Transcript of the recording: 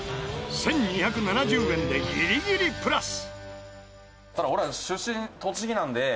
１２７０円でギリギリプラス。